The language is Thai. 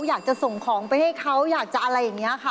อยากจะส่งของไปให้เขาอยากจะอะไรอย่างนี้ค่ะ